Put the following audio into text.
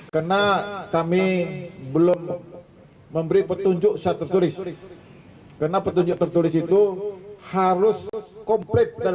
karena kami belum memberi petunjuk saat tertulis karena petunjuk tertulis itu harus komplit dan